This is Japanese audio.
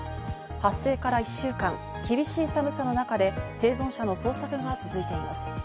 発生から１週間、厳しい寒さの中で生存者の捜索が続いています。